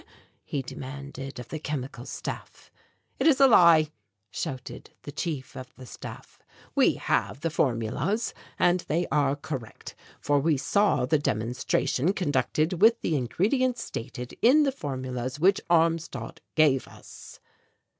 he demanded of the Chemical Staff. "It is a lie," shouted the Chief of the Staff. "We have the formulas and they are correct, for we saw the demonstration conducted with the ingredients stated in the formulas which Armstadt gave us."